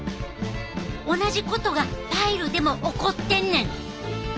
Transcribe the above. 同じことがパイルでも起こってんねん！